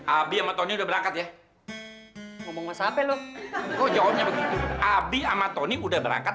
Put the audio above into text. abiamatoni udah berangkat ya ngomong ngomong sampe lo jauhnya begitu abi ama tony udah berangkat